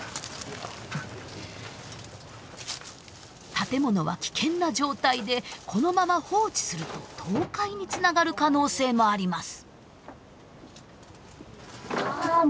建物は危険な状態でこのまま放置すると倒壊につながる可能性もあります。